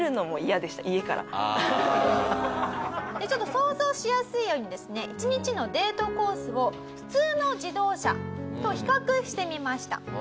ちょっと想像しやすいようにですね一日のデートコースを普通の自動車と比較してみました。